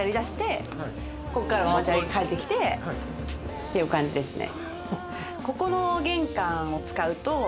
っていう感じですね。